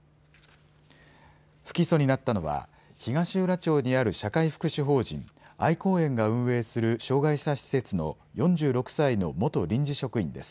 不起訴になったのは東浦町にある社会福祉法人、愛光園が運営する障害者施設の４６歳の元臨時職員です。